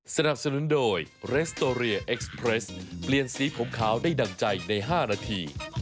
มากับข่าวใส่ไข่